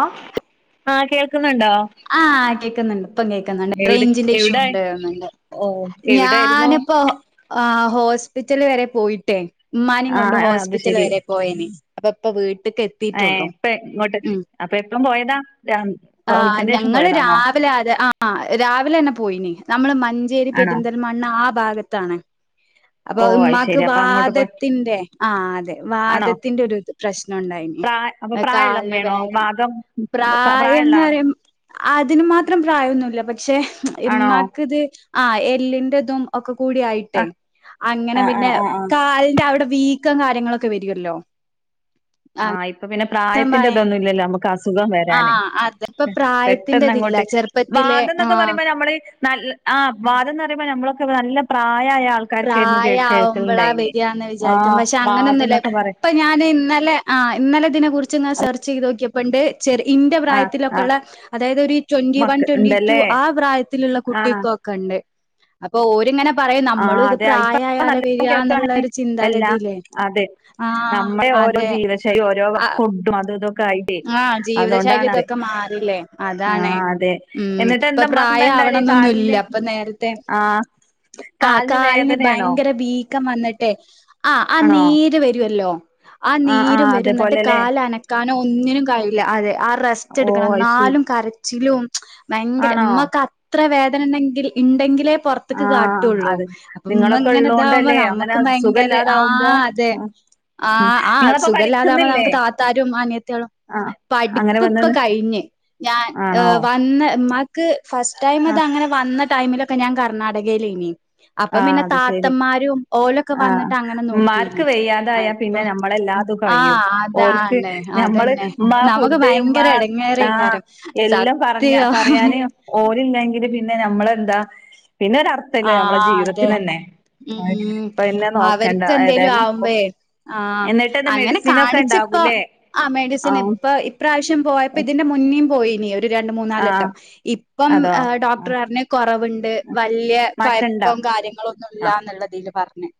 ആഹ ആഹ കേക്കുന്നുണ്ട് ഇപ്പം കേക്കുന്നുണ്ട് എവിടെ റേഞ്ചിന്റെ ഇഷ്യൂ എവിടെ ഉണ്ട്ണ്ട് ഓ എവിടായിരുന്നു ഞാനിപ്പോ ആഹ ഹോസ്പിറ്റല് വരെ പോയിട്ടേ ഉമ്മാനും കൊണ്ട് ആഹ് അത് ഹോസ്പിറ്റൽ ശെരി വരെ പോയന് അപ്പ ഇപ്പ വീട്ട ഏ ഇപ്പ ഇങ്ങോട്ട് അപ്പൊ എപ്പം പോയതാ ആ് ഉച്ചന്റെ ശേഷം ഞങ്ങള് പോയതാണോ രാവിലെ ആതെ ആ ആ രാവിലെ തന്നെ പോയിന നമ്മള് മഞ്ചേരി ആണോ പെരിന്തൽമണ്ണ് ആ ഭാഗത്താണ് അപ്പൊ ഓ അത് ഉമമാക്ക് ശെരി അപ്പൊ അങ്ങോട്ട് പോയി വാദത്തിന്റെ ആ അതെ ആണോ വാദത്തിന്റെ ഒരു പ്രശ്നം ഉണ്ടായിന് പ്രായ അപ്പൊ പ്രായമുള്ള കാല് ഉമ്മയാണോ വേഗ വാഗം പ്രായമുള്ള പ്രായംന്ന് ആള് പറയാ അതിന് മാത്രം പ്രായൊന്നുമല്ല പക്ഷെ ആണോ ഉമാക്ക് ഇത് ആ എല്ലിറതും ഒക്കെ കൂടി ആ യിട്ടേ ആ അങ്ങനെ ആ പിന്നെ ആ ആ അവിടെ വീക്കും കാര്യങ്ങളൊക്കെ വരുല്ലോ ആഹ് ഇപ്പൊ പിന്നെ പ്രായത്തിന്റെതൊന്നുംല്ലല്ലോ അസുഖം ആ വരാനേ അതിപ്പോ പെട്ടെന്ന് പ്രായത്തിന്റെതില്ല അങ്ങോട്ട് ചെറുപ്പത്തിലെ വാദം ആ എന്നൊക്കെ പറയുമ്പോ നമ്മള് ആ വാദംന്ന് പറയുമ്പോൾ നമ്മളൊക്കെ നല്ല പ്രായ പ്രായ ആവുമ്പോളാ ബരിയാന്ന് വിചാരിക്കും ആഹ് പക്ഷെ വാദം അങ്ങനൊന്നുമില്ല എന്നൊക്കെ പറയും ഇപ്പൊ ഞൻ ഇന്നലെ ആ് ഇന്നലെ ഇതിനെ കുറിച്ച് ഇങ്ങെ സെർച്ച് ചെയ്ത് നോക്കിയപ്പുണ്ട് ചെറ ഇന്റെ ആഹ് പ്രായത്തിലൊക്കെ ആഹ് ഉള്ള അതായത് ഒരു ട്വന്റി വൺ മക്ക് ട്വന്റി ടു ഉണ്ടല്ലേ ആ പ്രായത്തിലുള്ള ആഹ് കുട്ടിക്കൊക്കെ ണ്ട് അപ്പൊ ഓരിങ്ങനെ പറയുംയും നമ്മൾ അതെയ ഇപ്പൊ നല്ലതും കേൾക്കാണ് എല്ലാ ചിന്താഗതിയില്ലേ? അതെ ആഹ് നമ്മുടെ ഓരോ അതെ. ജീവശൈലി ഓരോ ഫുഡും അതും ഇതൊക്കെ ആയിട്ടേ ആഹ ജീവിത ശൈലി അതുകൊണ്ടാണത് ഇതൊക്കെ മാറില്ലേ അതാണ് ആഹ് അതെ ഉം എന്നിട്ട് ഇപ്പൊ എന്താ ഉമ്മാക്ക് പ്രായ എന്താ ഇണ്ടാവല് ആവണന്നൊന്നും കാലിന് ഇല്ല അപ്പൊ നേരത്തെ ആഹ് ആ കാലിന് ഭയങ്കര വീക്കം വന്നിട്ടെ ആ് ആ ആണോ നേര് വരുവല്ലോ ആ ആഹ് നീരും ആഹ് വരുന്നിട്ട് അതേപോലെല്ലേ കാാല അനക്കാനോ കല്ല അതെ ആ റെസ്റ്റ് ഓ എടുക്കണം അയ്ശരി എന്നാലും കരച്ചിലും ഭയങ്കര ആണോ മമ്മക്ക് അത്ര വേദന ഉണ്ടെങ്കിൽ ഉണ്ടെങ്കിലേ പൊറത്തേക്ക് ആഹ് കാട്ടുള്ളൂ അതെ അപ്പം നിങ്ങളൊക്കെ ഇങ്ങനെ ഇതാവുമ്പോ ഉള്ളോണ്ടല്ലേ അങ്ങനെ നമ്മുക്ക് ഭയങ്കര ആ സുഖല്ലാതാവുമ്പോ അതെ ആഹ് ഉം ആഹ് ആഹ നിങ്ങളപ്പോ സുഖമില്ലാതാവുമ്പോ പഠിക്കുന്നില്ലേ നമുക്ക് താത്താരും അനി ആഹ് അങ്ങനെ പഠിപ്പ ഇപ്പ വന്നത് കഴിഞ്ഞഞ് ഞാൻ ആണോ വന്നക്ക് ഫസ് അത് ആഹ് അങ്ങനെ വന്ന ടൈമിലൊക്കെ ഞാൻ കർണാടകയിൽ ഇനി ആഹ അത് ശരി ഓലൊക്കെ ആഹ് വന്നിട്ട് അങ്ങനെ മാർക്ക് നോക്കേനി. വ്യാതായാ അപ്പൊ പിന്നെ നമ്മളെ കഴഓ ആഹ് അതാണ് ന ഉ അതന്നെ. ഫു് നമുക്ക് ഉ ഭയങ്കര ആ എടങ്ങേറേക്കാരം എല്ലാം പറ സത്യം. പറയാന് പിന്നെ നമ്മെന്താ പിന്നെ ഒരു അത്ഥല്ല നമ്മ ആ അതെ ഉ പിന്നെ നോക്കണ്ട അവർക്ക് എന്തേലും ഏതായാലും ആവുമ്പ ആഹ എന്നിട്ടെന്താ അങ്ങനെ മെഡിസിനൊക്കെ കാണിച്ചപ്പ ഇണ്ടാകൂല്ലേ ആ് മെഡിസിൻ ആഹ് ഇപ്പ ഇപ്രാവശ്യം പോയപ്പോ ഇതിന്റെ മുന്നേം പോയിനി ഒരു രണ്ട മൂന്ന ആഹ് നാലട്ടം ഇപ്പം അതോ ഡോക്ടർാരന് കുറവുണ്ട് വലിയ മാറ്റണ്ടോ കുയപ്പം കാര്യങ്ങളൊന്നും ഇല്ല ആഹ് എന്നുള്ളതിൽ പറഞ്ഞഞ്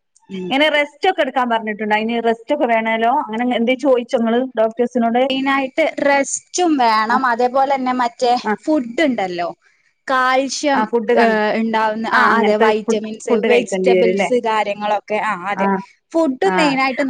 ഇങ്ങനെ സ് ഒക്കെ എടുക്കാൻ പറഞ്ഞിട്ടുണ്ടണ്ട് അതിന്റെസ്റ്റ് ഒക്കെ വേണേലോ അങ്ങനെ എന്ത ചോിച്ചോ ഡോക്ടേ മെയിന ആായിട്ട് റെസ്റ്റും വേണം അതേപോലെ തന്നെ മറ്റേ ആഹ് ഫുഡും ഉണ്ടല്ലോ ആ കാൽഷ്യം ഫുഡ് ് കൺ ഉണ്ടാവുന്ന ആ അതെ അങ്ങനത്തെ ഫുഡ് വൈറ്റമിൻസ് ഫുഡ് കഴിക്കേണ്ടി വരും ല്ലേ വെജിറ്റബിൾസ് കാര്യങ്ങളും ആ ആ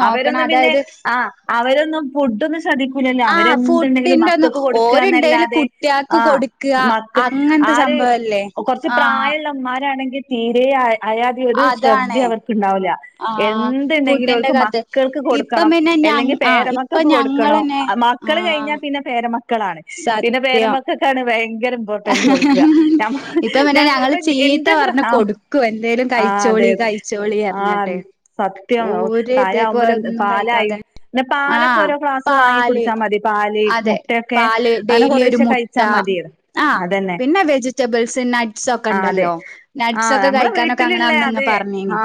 നോക്കണം അവരൊന്നും പിന്നെ അതായത് ആ അവരൊന്നും ഫുഡ സധിക്കൂല്ലോ ആഹ് അവരെന്ണ്ടെങ്കിലും ഫുഡിന്റൊന്ന് മക്കൾക്ക് ഓര്ണ്ടേല് കൊടുക്കുകന്നല്ലാതെ കുട്ട്യാക്ക് ആ കൊടുക്ക്ക മ അങ്ങനത്തെ ആര് സംഭവല്ലേ കുറച്ച് ആഹ് പ്രായമുള്ളമാരാണെങ്കിൽ തീരെ അയാതെ ഒരു ശ്രദ്ധ അതാണ് അവർക്ക്ുണ്ടാവൂില്ല [unintelligible] ആഹ് എന്ത് ണ്ടെകിലും ഫുഡിന്റെ ഓല്ക്ക്‌ കത്ത് മക്കൾക്ക് ഇപ്പം കൊടുക്കണം പിന്നെ ഞ അല്ലെങ്കിൽ ആഹ് ഇപ്പൊ പേരമക്കൾക്ക് കൊടുക്കണംോ ഞങ്ങളന്നെ മക്കൾ ആഹ് കഴിഞ്ഞാൽ പിന്നെ പേരമ.. മക്കളാണ് പിന്നെ പേരമ്മ സത്യം ക്കൊക്കെയാണ് ഭയങ്കര ഇമ്പോർട്ടന്റ് കൊടുക്കുക ഇപ്പം പിന്നെ ഞ ഇപ്പ ഞങ്ങള് ചീത്ത എന്ത പ്രസ പറഞ്ഞ് കൊടുക്കും എന്തേലും ആ കഴിച്ചോളി അതെതെ കഴിച്ചോളി ആ.. പറഞ്ഞിട്ട് സത്യ ഓര് പ്രായ ആവുമ്പോ ഇതേപോലെ ഒന്നും പാലായി കഴിക്കാതെ പിന്നെ പാലൊക്കെ ആഹ് ഓരോ ഗ്ലാസ് വാങ്ങി പാല് കുടിച്ചാ.. മതി പാല് അതെ മുട്ടൊക്കെ പാല് അങ്ങനെ കൊറേശെ കഴിച്ചാ മതിയ.. ആ പിന്നെ വെജി ബൾസ് നട്സ് ഒക്കെ ആഹ് അതെ ഉണ്ടല്ലോ നട്സ് ആഹ് ഒക്കെ നമ്മളെ കഴിക്കാനൊക്കെ അങ്ങനെ വീട്ടിലുള്ള അന്ന് തന്നെ പറഞ്ഞേനീ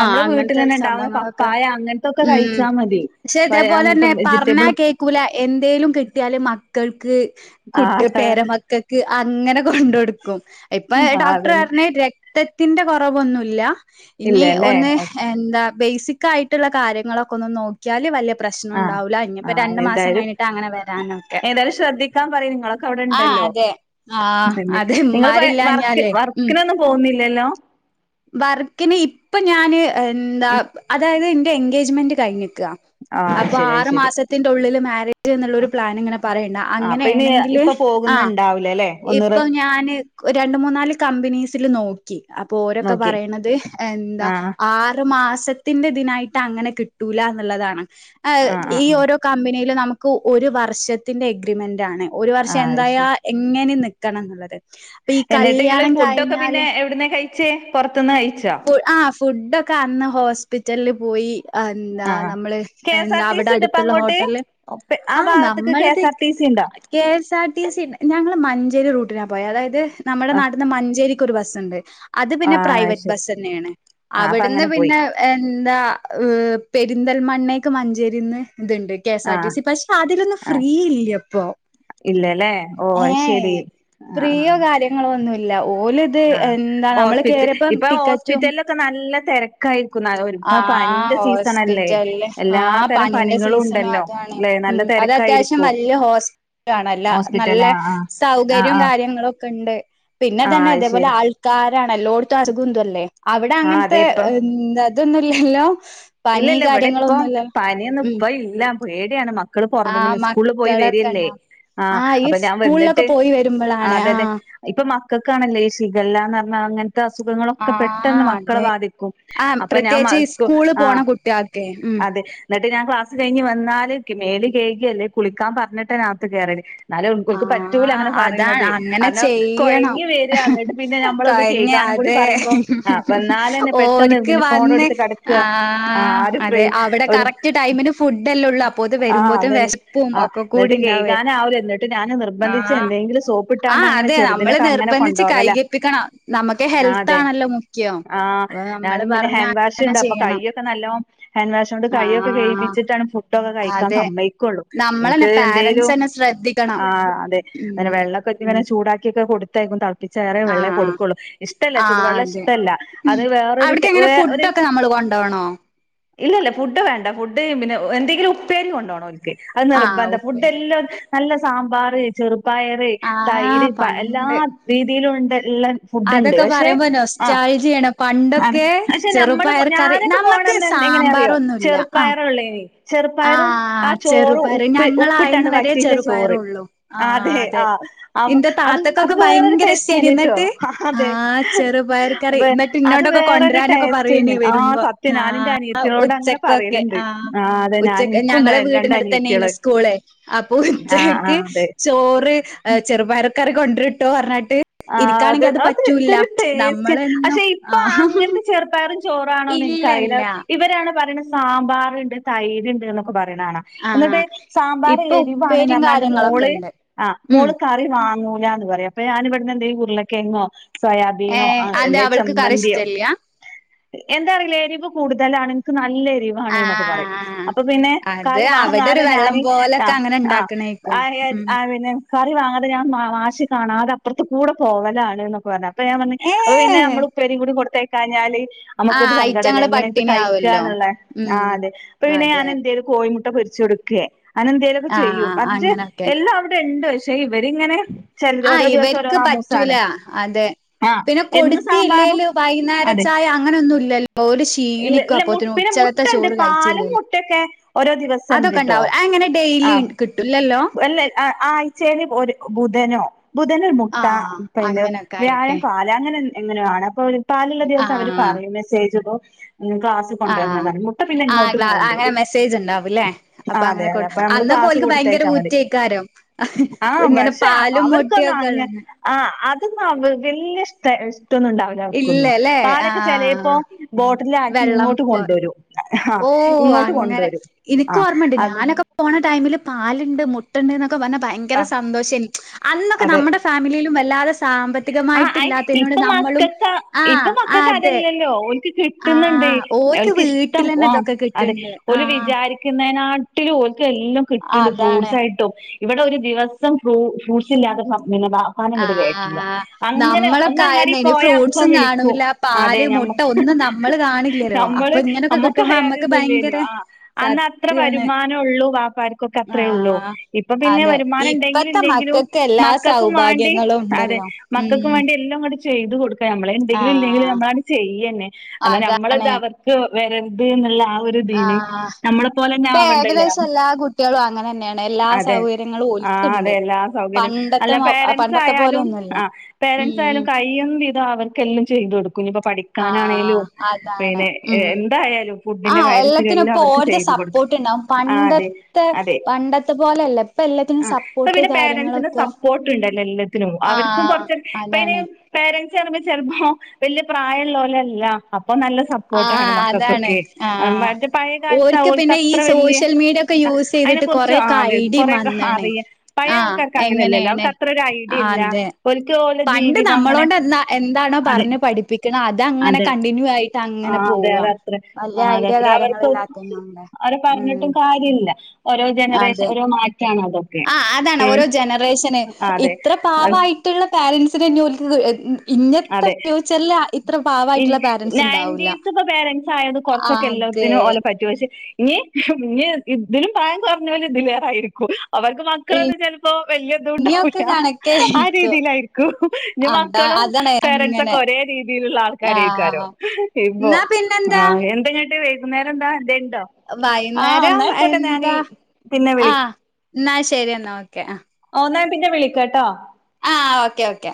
നമ്മുടെ വീട്ടിൽ തന്നെ ഉണ്ടാവുന്ന പപ്പായ അങ്ങനത്തൊക്കെ ഉം കഴിച്ചാ മതി പക്ഷെ പഴ ഇതേപോലെ അങ്ങനത്തെ തന്നെ പറഞ്ഞ വെജിറ്റബിളും കേക്കൂല എന്തേലും കിട്ടിയാല് മക്കൾക്ക് കുട്ടി ആ പേരമക്കൾക്ക് അങ്ങനെ കൊണ്ട് കൊടുക്കും ഇപ്പൊ ഡോക്ടർ അതന്നെ പറഞ്ഞ് മത്തത്തിന്റെ കുറവൊന്നുമല്ല ഇനി ഇല്ലല്ലേ ഒന്ന് ഓക്കെ എന്താ ബേസിക് ആയിട്ടുള്ള കാര്യങ്ങളൊക്കെ ഒന്നു നോക്കിയാല് വല ആഹ് പ്രശ്നംണ്ടാവല ഇനിപ്പോ ആഹ് രണ്ടു മാസം എന്തായാലും കഴിഞ്ഞിട്ട് അങ്ങനെ വരാനൊക്കെ ഏതായാലും ശ്രദ്ധിക്കാൻ പറയ് നിങ്ങളൊക്കെ അവിടെ ആ ഉണ്ടല്ലോ അതെ ആ അതല്ലേ അതെമാരില്ല ഞാലേ ഉം ഇല്ലല്ലോ വർക്കിന് ഇപ്പൊ ഞാന് എന്താ അതായത് എന്റെ എൻഗേജ്മെന്റ് കഴിഞ് ക് ആഹ് അത് അപ്പൊ ശരി അത് ആറു ശരി മാസത്തിന്റെ ഉള്ളില് മാരേജ് എന്നുള്ള ഒരു പ്ലാൻ ഇങ്ങനെ പറയണ്ട ആഹ് അപ്പൊ ഇനി അങ്ങനെയാണെങ്കില് ഇപ്പൊ ആ പോകുന്നുണ്ടാവൂല അല്ലെ ഒന്ന് റെ ഇപ്പൊ ഞാന് രണ്ട് മൂന്ന നാല് കമ്പനീസിൽ നോക്കി അപ്പോ ഓ ക്കെ നോക്കി പറയുന്നത് എന്താ ആഹ് ആറ് മാസ മാസത്തിന്റെ ഇതിനായിട്ട് അങ്ങനെ കിട്ടൂല എന്നുള്ളതാണ് ആ ആഹ് ആഹ് ഇ ആഹ് ഓരോ കമ്പനിയിലും ന ഒരു വർഷത്തിന്റെ എഗ്രിമെന്റ് ആണ് ഒരു വർഷം ആഹ് അത് എന്തായാ ശരി എങ്ങനെ നിക്കണം എന്നുള്ളത് അപ്പൊ ഈ എന്നിട്ട് നിങ്ങള് കല്യാണം ഫുഡൊക്കെ പിന്നെ കഴിഞ്ഞാല് എവിടുന്ന കഴിച്ചേ പുറ ആ ഫുഡൊക്കെ അന്ന് ഹോസ്പിറ്റലിൽ പോയി ഹാ എന്താ ആഹ് നമ്മള് കെ എസ് എന്താ ആർ ടി അവിടെ സി ഉണ്ട് ഇപ്പ അടുത്തുള്ള അങ്ങോട്ട് ഹോട്ടല് പെ ആ ഭാഗത്തേക്ക് കെ നമ്മളത് എസ് ആർ ടി സി ഉണ്ടോ K S R T C ഞങ്ങ മൈ മഞ്ചേരി റൂട്ടില പോയെ അതായത് നമ്മുടെ ആഹ് നാട്ടന്ന് മഞ്ചേരിക്ക് ഒരു ബസ് ഉണ്ട് അത് പിന്നെ പ്രൈ ആഹ് അത് ശരി ബസ് തന്നെയാണ് ആഹ് അപ്പൊ അവിടുന്ന് അങ്ങനെ പോയി പിന്നെ എന്താ ഏ പെരിന്തൽമണ്ണേക്ക് മഞ്ചേരിന്ന് ഇതുണ്ട് കെ എസ് ആർ ടി ആഹ് സി പക്ഷെ അതിലൊന്നും ആഹ് ഫ്രീ ഇല്ലിപ്പോ ഏ ഇല്ലല്ലേ ഓ അത് ശരി ആഹ് പ്രിയോ ആഹ് കാര്യങ്ങളോ ഒന്നുല്ല ഓല് അത് എന്താ നമ്മള് കേറിയപ്പം പിത്തല്ലൊക്കെ നല്ല തിരക്കായി [unintelligible] പ്പ ആഹ് പനിന്റെ സീസൺ അല്ലേ ഹോസ്പിറ്റലില് എല്ലാ ആഹ് തരം പനീന്റെ പനികളും സീസണും ഉണ്ടല്ലോ അതാണ് അല്ല നല്ല ഉം അത് അത്യാവശ്യം തിരക്കായിരിക്കും വലിയ ഹോസ്പിറ്റല ആണല്ല ഹോസ്പിറ്റല നല്ല ആഹ് ആഹ് സൗകര്യവും ആഹ് കാര്യങ്ങളും ഒക്കെ ഉണ്ട് പിന്നെ ആഹ് തന്നെ [unintelligible] അത് അപോലെ ശരി ആൾക്കാരാണ് എല്ലോടത്തും [unintelligible] അല്ലേ അവിടെ ആഹ് അങ്ങനത്തെ അതെ അതൊന്നുംല്ലല്ലോ ഇല്ല ഇല്ല ഇവിടെ ഇപ്പം പനിയൊന്ന ഉം ഇപ്പ ഇല്ല പേടിയാണ് മ മക്കള് ആഹ് പോറത്തുനിന്ന് സ്കൂൾ പോയി മക്കളൊക്കെ വരിയല്ലേ ഉണ്ടാവും ആ ആഹ് ഈ അപ്പൊ ഞാൻ വന്നിട്ട് സ്കൂളിലൊക്കെ പോയി ആ വരുമ്പോഴാണ് അതന്നെ ആഹ് ഇപ്പൊ മക്കൾക്കാണല്ലേ ശിഖല്ലന്ന് പ അങ്ങനത്തെ അസുഖങ്ങളൊക്കെ ആഹ് പെട്ടെന്ന് മക്കളെ അതെ ബാധിക്കും ആഹ് അപ്പൊ ഞാൻ പ്രത്യേകിച്ച് ഈ മാസ്ക്കും സ്കൂള് പോണ കുട്ടിയാക്കെ ഉം എന്നിട്ട് ഞാൻ ക്ലാസ് കഴിഞ് വന്നാലേ മേല് ക കേഴുകിയല്ലേ കുളിക്കാൻ പറഞ്ഞിട്ട് അതിനകത്ത് കേറാല് എന്നാലെ ഉൺകുൾക്ക് പറ്റൂല ആഹ് അങ്ങനെ അതാ പറയണുന്നത് അങ്ങനെ അതോ ചെയ്യണം കോഴഞ്ഞ് വേരാന്നിട്ട് പിന്നെ നമ്മളൊന്ന് കഴിഞ്ഞ കേൾക്കാൻ കൂടി അതെ പറയുമ്പോ ആ വന്നാൽ തന്നെ പെട്ടെന്ന് ഓര്ക്ക് ഇങ്ങെ ഫോണ വന്ന് എടുത്ത് കിടക്കുക ആ ആഹ് ആര് ഫ്രൈ അതെ അവിടെ ഓ കറക്റ്റ് ടൈമിന് ഫുഡല്ലേ ഉള്ളൂ അപ്പോത് ആഹ് വരുമ്പോത്തും അതെ വെശപ്പും ആഹ് ഒക്കെ കൂടി എന്നിട്ട് ഇണ്ടാവേ കേഴകാന ആവല എടുത്തി ഞൻ നിർബന്ധിച്ച് ആഹ് എന്തെങ്കിലും സോപ്പിട്ടാണ്ട് ആഹ് അങ്ങനെ അതെ നമ്മള് ചെറുതിനൊക്കെ അങ്ങനെ നിർബന്ധിച്ച് കൊണ്ടപകല കൈകെപ്പിക്കണം നമുക്ക് ആ ഹെൽത്ത് അതെ ആണല്ലോ മുഖ്യം ആ അപ്പൊ നമ്മള് ഞാനും പിന്നെ പറഞ്ഞ ഹാൻഡ് വാഷ് അങ്ങനെ ഉണ്ട് അപ്പൊ ചെയ്യണം കൈയൊക്കെ നല്ലോ ഹാൻഡ് വാഷ് ഇട്ട് കയൊക്കെ ആഹ് കഴപ്പിച്ചിട്ടാണ് ഫുഡൊക്കെ കഴിക്കാൻ അതെ സമ്മായിക്കുൽ നമ്മളന്നെ എനിക്ക് പാരൻറ്സ് എന്തേലും തന്നെ ശ്രദ്ധിക്കണം ആഹ് അതെ ആ ഉം വെള്ളൊക്കെ ഇങ്ങനെ ചൂടാക്കിയൊക്കെ കൊടുത്തക്കും പ്പിച്ചേറെ വെള്ളേ ആഹ് കൊടുക്കുള്ളു ഇഷ്ടല്ല ആഹ് ചുടുവെള്ളം അതെ ഇഷ്ടമല്ല ഉം അത് വേറൊരു അവിടക്ക് ഒരു എങ്ങനെ വേ ഒരു ഫുഡൊക്കെ നമ്മള് കൊണ്ടോണോ ഇല്ല ഇല്ല ഫുഡ് വേണ്ട ഫുഡ്ഡ് പിന്നെ എന്തെങ്കിലും ഉപ്പേരി കൊണ്ടോ അത് ആഹ് നിർബെന്താ ഉപ്പേരി ഫുഡെല്ലാം നല്ല സാമ്പാർ ചെറു പയറ് ആഹ് തൈര് എല്ലാ പണ്ട് രീതിയിലും ഉണ്ട് എല്ലാ ഫുഡിണ്ട് അതൊക്കെ പക്ഷെ പറയുമ്പോ ആഹ് നൊസ്റ്റാൾജിയാണ് ആഹ് പണ്ടൊക്കെ പക്ഷെ നമ്മള് ചെറുപയർ കറി ഞാനൊക്കെ നമ്മക്ക് എങ്ങനെ അറിയോ സാമ്പാറൊന്നുല്ല ആഹ് ചെറുപ്പയറൊള്ളേനി ചെറുപ്പയറും ആ ആഹ് ചോറും ചെറുപയറ് ഉപ്പ് ഞങ്ങളായന്ന് ഉപ്പിട്ടാണ്ട് വരെ വയ്റ്റീത്തെ ചോറ് ചെറുപയറൊള്ളു ആഹ് അതെ ആഹ് അവ് ഇന്റെ അത് അത് താത്തക്കൊക്കെ വേറൊരു ഭയങ്കര ഇഷ്ടേനി ടേസ്റ്റന്നട്ടോ ഇന്നട്ട് അതെ ആഹ് ചെറുപയർ കറി അപ്പ ഇന്നട്ട് അത് ഇന്നോടൊക്കെ വേറൊരു കൊണ്ടരാനൊക്കെ ടേസ്റ്റ്ന്ന് പറയേനി വരുമ്പോ ആഹ് സത്യാ ഞാനിന്റെ അനിയത്തിനോട് അങ്ങനെ പറയലുണ്ട് ആഹ് അതെ ഞാൻ ഉച്ചക്ക് എനിക്കുണ്ട് ഞങ്ങളെ രണ്ട് വീടിനടുത്ത് തന്നൊയിനു അനിയത്തികള് സ്കൂഅള അപ്പൊ ആഹ് ആഹ് ഉച്ചക്ക് അതെ ചോറ് ചെറുപ ക്ക കൊണ്ടിരിട്ടോ പറ ആഹ് അത് അത് ഇതൊരു ടേസ്റ്റ് നമ്മളെന്നും പക്ഷെ ഇപ്പ ആഹ് അങ്ങനത്തെ ചെറുപയറും ചോറാണോന്ന് എനിക്കറിയില്ല ഇല്ലല്ല ഇവരാണ് പറയണ സാമ്പാറുണ്ട് തൈര്ണ്ട് പ്പ പറയിന്ന കാണാം ആഹ് എന്നിട്ട് സാമ്പാർ ഇപ്പൊ എരിവാണ് ഉപ്പേരിം പറഞ്ഞാണ്ട് മോള് കാര്യങ്ങളൊക്കെണ്ട് ആഹ് ഉം മോള് കറി വാങ്ങ ല്ലാന്ന് പറയും അപ്പ ഞാന് ഇവിടന്ന് എന്തേലും ഉരിളകിഴങ്ങൊ സോയാബീനോ ഏഹ് അതെന്തേ എന്തെ അവൾക്ക് കറി ചമ്മന്തിയോ ഇഷ്ടല്ല്യ എന്താ അറിയില്ല എരിവ് കൂടുത തലാണ് ഇൻക്ക് ന നല്ലെരിവാണ് എന്നൊക്കെ പറയും ആഹ് അപ്പൊ പിന്നെ അത് കറി അവിടെ ഒരു വാങ്ങാതെ വെള്ളം ഞാന് പോലൊക്കെ ആഹ് അങ്ങനെ ആഹ് ഇണ്ടാക്കണേക്കും ആഹ് ഉം ആഹ് പിന്നെ കറി വാങ്ങാതെ ഞാൻ മാശി കാണാതെ അപ്പുറത്ത് കൂടെ പോവലാണ് എന്നൊക്കെ പറഞ്ഞ അപ്പ ഞാ പറഞ്ഞ് അപ്പൊ പിന്നെ ഏഹ് നമ്മള് ഉപ്പേരി കൂടി കൊടുത്തയക്കാഞ്ഞാല് ആഹ് നമ്മുക്കൊരു സങ്കടല്ലേ അയിറ്റങ്ങള് എങ്ങനെയിത് പട്ടിണിയാവല്ലോ കഴിക്കാന്നുള്ളള്ള ഉം ആഹ് അതെ അപ്പ പിന്നെ അതെ ഞാൻ എന്ത് ചെയ്ത് കോ പൊരിച്ചു കൊടുക്കേ അനന്തേലുംക്കെ ആഹ് ചെയ്യും ആഹ് മറ്റേ അങ്ങനൊക്കെ എല്ലാം അവിടെ ഇണ്ട് പക്ഷെ ഇവരിങ്ങനെ [inaudible] ക്ക് നാമൂസാണ് പറ്റൂല അതെ ആഹ് പിന്നെ എന്നും കൊടുത്തി സാമ്പാറും ഇല്ലേല് വൈകുന്നേര അതെ ചായ അങ്ങനൊന്നും ഇല്ലല്ലോ ഇപ്പോ ഇല്ല ഇല്ല പിന്നെ മുട്ടഒണ്ട്. ചോറ് പാലും കഴിച്ചില്ലേല് മുട്ടയൊക്കെ ഓരോ ദിവസം അതൊക്കെ ഒണ്ട്ട്ടോ. ഉണ്ടാവും അതെങ്ങനെ ഡെയിലി ആഹ് കിട്ടൂല്ലല്ലോ അല്ല ആഴ്ചയില് ഓരോ ബു ധനോ ബുധനിൽ മുട്ട, ആഹ് പിന്നെ അങ്ങനൊക്കെ ആയിട്ടെ വ്യാഴം പാല് അങ്ങനെന്ത് എങ്ങനെയോ ആണ്. അപ്പൊ അവര് പാലുള്ള ദിവസം അവര് ആഹ് പറയും. മെസ്സേജിടും. ഗ്ലാസ്സി കൊണ്ട് ആഹ് വരണതാ. മുട്ട പിന്നെ ആഹ് ഇങ്ങോട്ട് ഗ്ലാ അങ്ങനെ കൊണ്ടുവരും. മെസ്സേജ് ഉണ്ടാവുംല്ലേ അപ്പൊ ആഹ് അതെ അങ്ങനെ അതെ കൊടു അ നമ്മള് അന്നൊക്കെ ഗ്ലാസ്സ് ഓൽക്ക് ഭയങ്കര കൊടുത്തായച്ചാ മതി. ഊറ്റയ്ക്കാരം ആഹ് ഇങ്ങനെ പക്ഷേ പാലും അവർക്ക് മുട്ടയൊക്കെ [unintelligible] ഉള്ളന്ന് ആഹ് അത് [unintelligible] വല്യ ഇഷ്ട ഇഷ്ടൊന്നും ഇണ്ടാവില്ല അവർക്കൊന്നും. ഇല്ലല്ലേ പാലൊക്കെ ചെലേപ്പോ ആഹ് ബോട്ടിലിലാക്കി ഇങ്ങോട്ട് കൊണ്ടുവരും. ആഹ് ഓഹ് ഇങ്ങോട്ട് അങ്ങനെ കൊണ്ടുവരും ആഹ് എനിക്കോർമ്മയുണ്ട്. അത് ഞാനൊക്കെ പോണ ടൈമില് പാലുണ്ട് മുട് ടയൊണ്ടൊന്നൊക്കെ പറഞ്ഞ് ഭയങ്കര ആഹ് സന്തോഷാനി. അന്നൊക്കെ അതെ നമ്മുടെ ഫാമിലിയിലും വല്ലാതെ ആഹ് അയ് സാമ്പത്തികമായിട്ടില്ലാത്തതിനോട് ഇപ്പം നമ്മളും മക്കക്ക് ഇപ്പോ ഇപ്പ ആഹ് മക്കക്ക് അതെ അതല്ലല്ലോ ഓൽക്ക് കിട്ടുന്നുണ്ട് ആഹ് ഓർക്ക് എവൾക്ക് ഇഷ്ടം വീട്ടിലന്നെ ഇതൊക്കെ അതെ കിട്ടണ്ട് ഓല് ആഹ് വിചാരിക്കുന്ന [unintelligible] നാട്ടില് ഓൽക്ക് എല്ലാം കിട്ട്ണ്ട്. അതാണ് ഫ്രൂട്ട്സായിട്ടും ഇവടെ ഒരു ദിവസം ഫ്രൂ ഫ്രൂട്ട്സ് ഇല്ലാതെ പിന്നെ വാപ്പാനെ ഇങ്ങട്ട് കേറ്റില്ല. ആഹ് അങ്ങനെ ഒന്ന് നമ്മളൊക്കെ അങ്ങാടി ആയന്നേന് പോയാ അപ്പൊ ഫ്രൂട്ട്സും വിളിക്കും. കാണൂല അതെ പാല് ഞമ്മ മുട്ട ഒന്നും നമ്മള് കാണില്ലല്ലോ നമ്മള് അപ്പൊ ഇങ്ങനൊക്കെ നമ്മക്ക് കിട്ടുമ്പോ ആയാതി അമ്മക്ക് ഒന്നും ഭയങ്കര ഇല്ലാരുന്നു. ആഹ് അന്ന് അത്ര സത്യാണ് വരുമാനേ ഒള്ളൂ വാപ്പാര്ക്കൊക്കെ. ഇത്രേ ഉള്ളൂ. ആഹ് ഇപ്പൊ പിന്നെ അതെ വരുമാനം ഇണ്ടെങ്കിലും ഇപ്പത്തെ ഇല്ലെങ്കിലും മക്കൾക്ക് എല്ലാ മക്കക്കും വാണ്ടി സൗഭാഗ്യങ്ങളും അതെ ഉണ്ടല്ലോ മക്കക്കും ഉം വേണ്ടി എല്ലാം അങ്ങട് ചെയ്തു കൊടുക്കുക നമ്മള്. എന്തെങ്കിലും ഇല്ലെങ്കിലും ആഹ് നമ്മളങ്ങട് ചെയ്യന്നെ. എന്നാ നമ്മളിത് അതാണ് അവർക്ക് വരരുത് എന്നുള്ള ആ ഒരുതില് ആഹ് നമ്മളെ പോലെന്നെ ഇപ്പൊ ആവണ്ടല്ലാ. ഏകദേശം എല്ലാ കുട്ടികളും അങ്ങനെ തന്നെയാണ് എല്ലാ അതെ സൗകര്യങ്ങളും ആഹ് ഓൽക്കുണ്ട് അതെല്ലാ സൗകര്യം പണ്ടത്തെ അല്ല മ പേരൻസ് പണ്ടത്തെ ആയാലും പോലെയൊന്നുല്ല ആഹ് ഉം പേരൻസ് ആയാലും ഉം കഴിയും വിധം അവർക്കെല്ലാം ചെയ്ത് കൊടുക്കും. ഇനിപ്പോ ആഹ് പഠിക്കാനാണേലും അതാണ് പിന്നെ ഉം എന്തായാലും ഫുഡിന്റെ ആഹ് എല്ലാത്തിനും കാര്യത്തിലെല്ലാം ഇപ്പൊ അവർക്ക് ഓരത് ചെയ്തു കൊടുക്കും. സപ്പോർട്ട് ഉണ്ടാവും ആഹ് അതെ പണ്ടത്തെ അതേ പണ്ടത്തെ പോലെയല്ല ഇപ്പൊ എല്ലാത്തിനും ആഹ് ഇപ്പൊ സപ്പോർട്ട് പിന്നെ പേരൻസിന്റെ കാര്യങ്ങളൊക്കെ സപ്പോർട്ടുണ്ടല്ലോ എല്ലാത്തിനും. അവർ ക്കും ആഹ് കൊർച്ചൻ ഇപ്പ അയ്ന് അതാണ് പേരൻസ് പറിമ്പം ചെൽപ്പോ വല്യ പ്രായള്ളോലല്ല. അപ്പ നല്ല സപ്പോർട്ടാണ് ആഹ് അതാണ് മക്കൾക്കൊക്കെ. ആഹ് [unintelligible] പഴയ കാലത്ത ഓര്ക്ക് ഓൽക്ക് പിന്നെ ഈ അത്ര വല്യ സോഷ്യൽ മീഡിയ ഒക്കെ യൂസ് അതിനെ ചെയ്തിട്ട് കുറിച്ച് കൊറെക്കെ അതെ ഐഡിയ കൊറെക്കെ വന്ന്ണ് അറിയ പഴയ ആഹ് ആൾക്കാർക്ക് അങ്ങനെയല്ലല്ലോ എങ്ങനെയാണ് അവർക്ക് അത്ര ഒരു ഐഡിയ ആ ഇല്ല അതെ ഓൽക്ക് ഓലെ പണ്ട് ജീവിതം അങ്ങനെ നമ്മളോണ്ട് എന്താ എന്താണോ അതെ പറഞ്ഞഞ് പഠിപ്പിക്കണം അത് അങ്ങനെ കണ്ടിന്യൂ ആയി ആഹ അതെ അതത്ര ആ അതത്ര അവർക്ക് കാര്യങ്ങളില്ലാത്തന്നോണ്ട് അവര് ഉം പറഞ്ഞിട്ടും കാര്യില്ല ഓരോ ജനറേഷൻ ഓരോ മാ ആ അതാണ് ഓരോ ജനറേഷന് അതെ ഇത്ര അഹ് പാവായിട്ടുള്ള പാരൻറ്സിനെ ോലിക്ക് ഇന്നത്തെ അതെ ഫ്യൂച്ചറിൽ ഇത്ര ഇനി പാവായിട്ടുള്ള പാരന്റ്സ് ഉണ്ടാവൂില്ല ആ ത്തിന് ഓല പറ്റ പക്ഷേ ഇനി ഇ ഇതിലും പറയന്ന് പറഞ്ഞ പോലെ ഇതിലേറായിരിക്കും അവർക്ക് മക്കളൊന്നും ചിലപ്പോ വലിയതും ഉണ്ടാവില്ല ഇനിയൊക്കെ കണക്കേ ആ ആയിരിക്കും രീതിയിലായിരിക്കും ഇ അതാ മക്കളും അതാണ് ഒക്കെ അങ്ങനെ ഒരേ രീതിയിലുള്ള ആൾക്കാരക്കാരോ ആഹ് ഇപ്പ എന്നാ ആ പിന്നെന്താ എന്തെ ട്ട് വൈകുന്നേര എന്താ എന്ത ഉണ്ടോ ആഹ വൈകുന്നേരം എന്നന്നായിായിക്കോട്ടെ ഞാാനീ എന്താ പിന്നെ വിളി ആഹ് എന്നാ ശരി എന്നെന്നാ ഓക്കെ ഒന്നാമ പി ഞെ വിളിക്ക കേട്ടോ ആഹ് ഓക്കെ ഓക്കെ